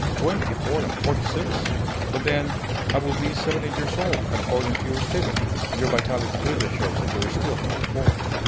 "Twenty four and forty six: but then I would be seventy years old, according to your statement!" "Your vitality clearly shows that you are still twenty four."